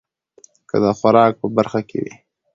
که د خوراک په برخه کې وي